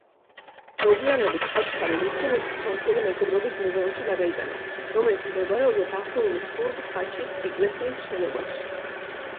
მოგვიანებით ხაჩქარი რუსულ-სომხური მეგობრობის მუზეუმში გადაიტანეს, რომელიც მდებარეობდა დახურული სურბ-ხაჩის ეკლესიის შენობაში.